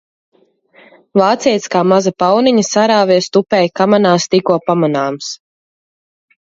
Vācietis kā maza pauniņa sarāvies tupēja kamanās tikko pamanāms.